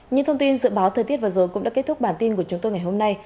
những thông tin dự báo thời tiết vừa rồi cũng đã kết thúc bản tin của chúng tôi ngày hôm nay